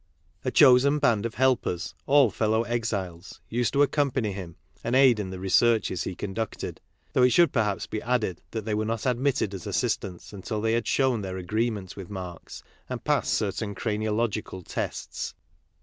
A chosen band of helpers, all fellow exiles, used to accompany him and aid in the researches he conducted ; though it should perhaps be added that they were not admitted as assistants until they had shown their agreement with Marx and passed certain craniological tests.